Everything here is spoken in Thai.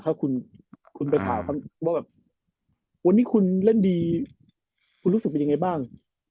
ถ้าคุณไปถามเขาว่าแบบวันนี้คุณเล่นดีคุณรู้สึกเป็นยังไงบ้าง